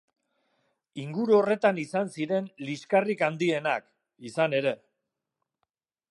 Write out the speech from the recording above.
Inguru horretan izan ziren liskarrik handienak, izan ere.